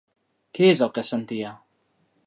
Què és el que sentia?